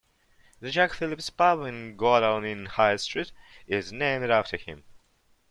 "The Jack Phillips" pub in Godalming High Street is named after him.